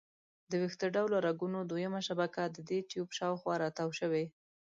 د ویښته ډوله رګونو دویمه شبکه د دې ټیوب شاوخوا را تاو شوي.